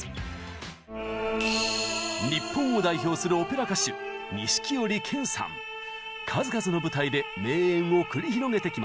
日本を代表する数々の舞台で名演を繰り広げてきました。